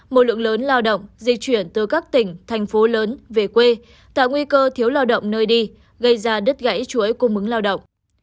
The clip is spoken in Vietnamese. một lượng lớn lao động di chuyển từ các tỉnh thành phố lớn về quê tạo nguy cơ thiếu lao động nơi đi gây ra đứt gãy chuỗi cung ứng lao động